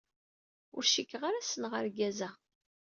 Ur cikkeɣ ara ssneɣ argaz-a.